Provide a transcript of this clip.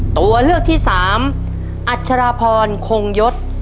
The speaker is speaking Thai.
ตัวเลือกที่สามอัชราพรคงยศ